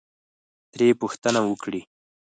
ترې پوښتنه وکړئ،